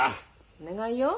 お願いよ。